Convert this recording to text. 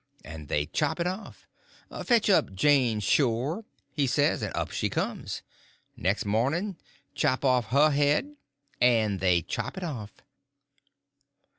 And they chop it off. 'Fetch up Jane Shore,' he says; and up she comes, Next morning, 'Chop off her head'—and they chop it off.